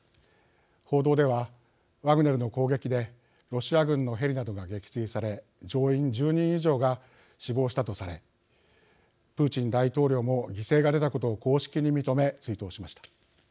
報道ではワグネルの攻撃でロシア軍のヘリなどが撃墜され乗員１０人以上が死亡したとされプーチン大統領も犠牲が出たことを公式に認め追悼しました。